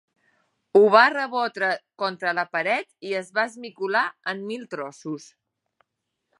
Ho va rebotre contra la paret i es va esmicolar en mil trossos.